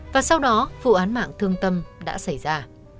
và sau đó vụ án mạng thương tâm đã xảy ra